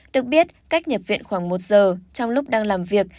được biết cách nhập viện khoảng một giờ trong lúc đang làm việc